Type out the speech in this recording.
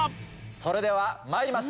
それではまいります。